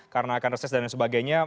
karena akan reses dan sebagainya